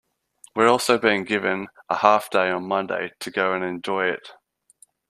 We're also being given a half day on Monday to go and enjoy it.